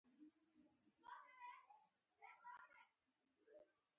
د پرسیاوشان بوټی د څه لپاره وکاروم؟